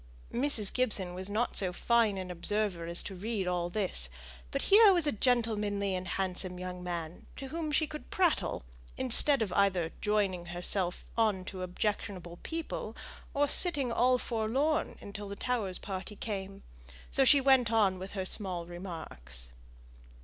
Mrs. Gibson was not so fine an observer as to read all this; but here was a gentlemanly and handsome young man, to whom she could prattle, instead of either joining herself on to objectionable people, or sitting all forlorn until the Towers' party came. So she went on with her small remarks.